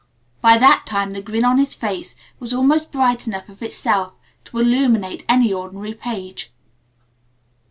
By that time the grin in his face was almost bright enough of itself to illuminate any ordinary page.